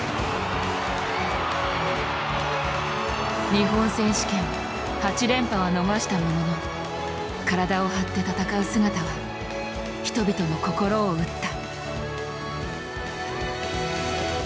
日本選手権８連覇は逃したものの体を張って戦う姿は人々の心を打った。